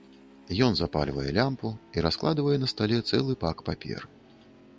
Ён запальвае лямпу і раскладвае на стале цэлы пак папер.